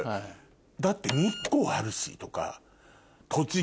だって日光あるしとか。